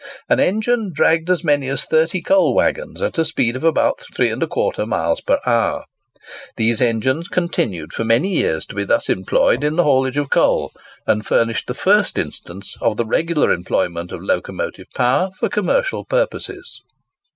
An engine dragged as many as thirty coal waggons at a speed of about 3¼ miles per hour. These engines continued for many years to be thus employed in the haulage of coal, and furnished the first instance of the regular employment of locomotive power for commercial purposes.